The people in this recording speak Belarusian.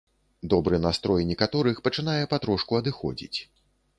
Добры настрой некаторых пачынае патрошку адыходзіць.